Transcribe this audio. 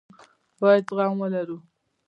بايد زغم ولرو.